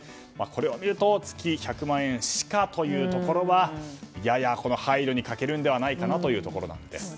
これを見ると月１００万円しかというところはやや配慮に欠けるのではないかというところなんです。